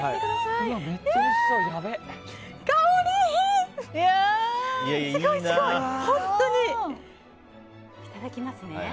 いただきますね。